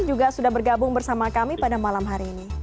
juga sudah bergabung bersama kami pada malam hari ini